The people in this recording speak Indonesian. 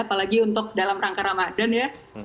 apalagi untuk dalam rangka ramadan ya